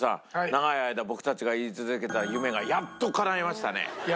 長い間僕たちが言い続けたやっとかないましたね。